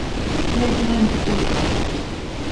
hinek nan dipêjand